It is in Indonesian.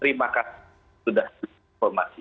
terima kasih sudah informasi